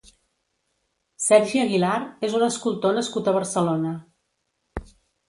Sergi Aguilar és un escultor nascut a Barcelona.